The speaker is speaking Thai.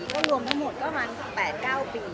รวมทั้งหมดก็ลงทั้ง๘๙ปี